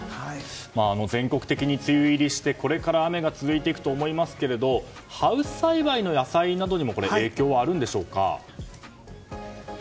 全国的に梅雨入りしてこれから雨が続いていくと思いますけどハウス栽培の野菜などにも影響はあるんでしょうか。